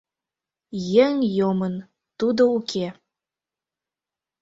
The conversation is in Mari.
Еҥ йомын, тудо уке.